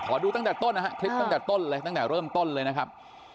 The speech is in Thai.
ดูตั้งแต่ต้นนะฮะคลิปตั้งแต่ต้นเลยตั้งแต่เริ่มต้นเลยนะครับ